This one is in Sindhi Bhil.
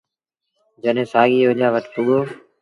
جڏهيݩ سآڳي اوليآ وٽ پُڳو